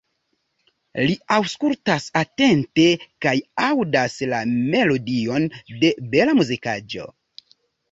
Li aŭskultas atente kaj aŭdas la melodion de bela muzikaĵo.